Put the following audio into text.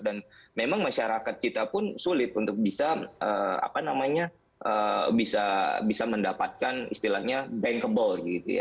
dan memang masyarakat kita pun sulit untuk bisa mendapatkan istilahnya bankable